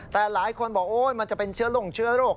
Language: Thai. แต่หลายคนบอกโอ๊ยมันจะเป็นเชื้อโรค